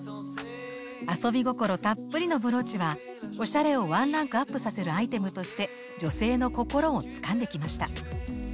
遊び心たっぷりのブローチはおしゃれをワンランクアップさせるアイテムとして女性の心をつかんできました。